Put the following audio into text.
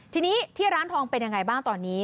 ทีนี้ที่ร้านทองเป็นยังไงบ้างตอนนี้